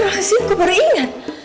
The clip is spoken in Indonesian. masa perasaan aku baru ingat